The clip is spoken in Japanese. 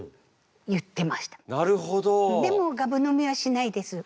でもガブ飲みはしないです